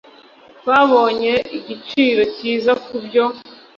twabonye igiciro cyiza kubyo